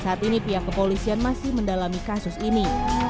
saat ini pihak kepolisian masih mendalami kasus ini